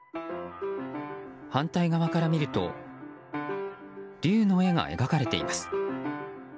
反対側から見ると龍の絵が描かれています。